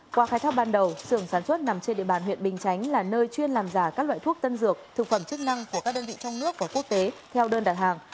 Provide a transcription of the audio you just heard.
qua khai thác ban đầu sưởng sản xuất nằm trên địa bàn huyện bình chánh là nơi chuyên làm giả các loại thuốc tân dược thực phẩm chức năng của các đơn vị trong nước và quốc tế theo đơn đặt hàng